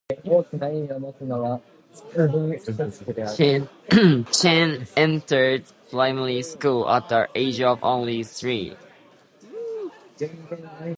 Chen entered primary school at the age of only three.